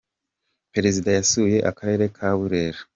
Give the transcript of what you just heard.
perezida yasuye akarere ka burera.